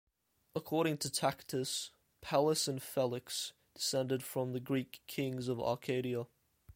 According to Tacitus, Pallas and Felix descended from the Greek Kings of Arcadia.